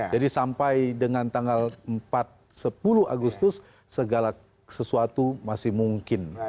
jadi sampai dengan tanggal empat sepuluh agustus segala sesuatu masih mungkin